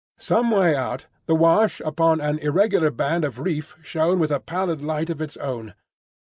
Some way out, the wash upon an irregular band of reef shone with a pallid light of its own.